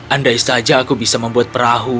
andai saja aku bisa membuat perahu